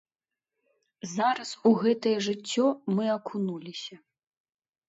Зараз у гэтае жыццё мы акунуліся.